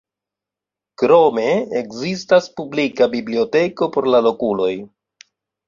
Krome, ekzistas publika biblioteko por la lokuloj.